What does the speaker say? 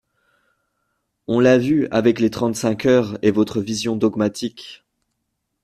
On l’a vu avec les trente-cinq heures et votre vision dogmatique.